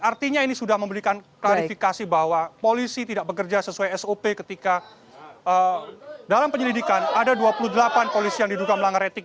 artinya ini sudah memberikan klarifikasi bahwa polisi tidak bekerja sesuai sop ketika dalam penyelidikan ada dua puluh delapan polisi yang diduga melanggar etik